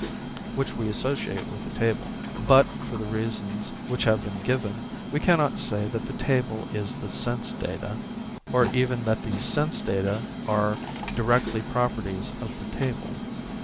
which we associate with the table; but, for the reasons which have been given, we cannot say that the table is the sense data, or even that the sense data are directly properties of the table.